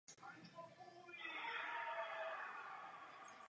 Nemůžeme se nechat zatáhnout do vnitřních politických sporů.